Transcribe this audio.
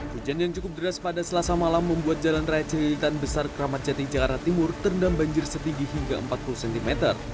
hujan yang cukup deras pada selasa malam membuat jalan raya celilitan besar kramat jati jakarta timur terendam banjir setinggi hingga empat puluh cm